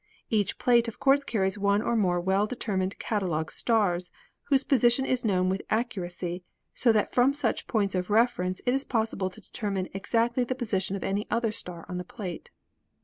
Each plate of course carries one or more well determined catalogue stars, whose position is known with accuracy, so that from such points of reference it is possible to deter mine exactly the position of any other star on the plate.